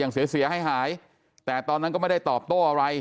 เสียหายเสียให้หายแต่ตอนนั้นก็ไม่ได้ตอบโต้อะไร